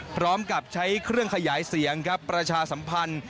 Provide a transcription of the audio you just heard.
พร้อมกับใช้เครื่องขยายเสียงครับประชาสัมพันธ์